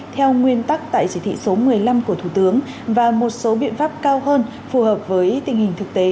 theo nguyên tắc tại chỉ thị số một mươi năm của thủ tướng và một số biện pháp cao hơn phù hợp với tình hình thực tế